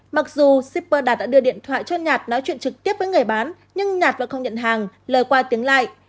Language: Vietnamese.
mặc dù shipper đạt đã đưa điện thoại cho nhạt nói chuyện trực tiếp với người bán nhưng nhạt vẫn không nhận hàng lời qua tiếng lại